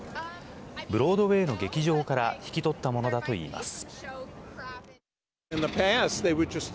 ブロードウェイの劇場から引き取ったものだといいます。